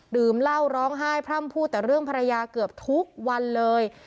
ดื่มเหล้าร้องไห้พร่ำพูดแต่เรื่องภรรยาเกือบทุกวันเลย